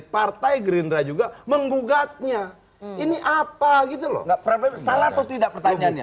diaker player sampai griver juga menggugatnya ini apa gitu loh nggak empat puluh delapan know tidak pertanyaannya